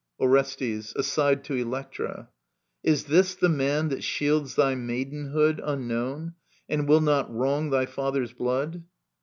Orestes {aside to Electra). Is this the man that shields thy maidenhood Unknown, and will not wrong thy father's blood